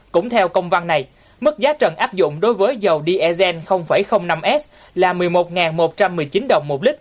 cũng theo công văn này mức giá trần áp dụng đối với dầu diesel năm s là một mươi một một trăm một mươi chín đồng một lít